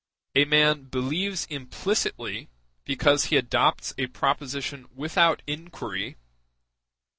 A man believes implicitly, because he adopts a proposition without inquiry.